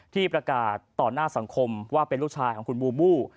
ที่ประกาศต่อหน้าสังคมว่าเป็นลูกชายของคุณบูบู